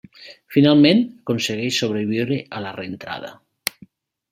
Finalment, aconsegueix sobreviure a la reentrada.